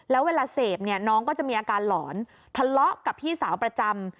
แล้วเวลาเสพเนี่ยน้องก็จะมีอาการหลอนทะเลาะกับพี่สาวประจำ